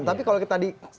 tapi kalau kita di